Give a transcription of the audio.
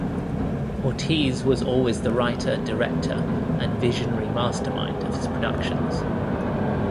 Ortiz was always the writer, director and visionary mastermind of his productions.